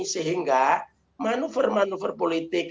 sehingga manuver manuver politik